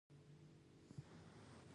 که زړه روښانه وي، نو فکر به ازاد وي.